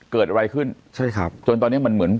เกิดอะไรขึ้นจนตอนนี้มันเหมือน